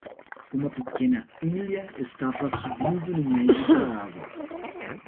Uma pequena ilha estava subindo no meio da água.